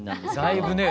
だいぶね。